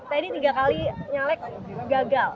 tadi tiga kali nyalek gagal